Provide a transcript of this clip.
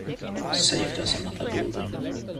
Saved us another building.